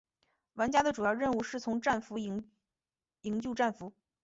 玩家的主要任务是从战俘营拯救战俘。